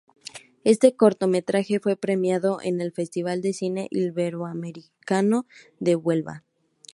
Este cortometraje fue premiado en el Festival de Cine Iberoamericano de Huelva.